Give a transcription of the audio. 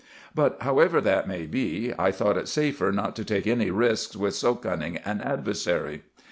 But however that may be, I thought it safer not to take any risks with so cunning an adversary.